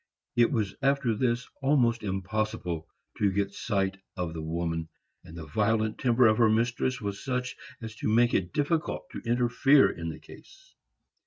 It was after this almost impossible to get sight of the woman, and the violent temper of her mistress was such as to make it difficult to interfere in the case.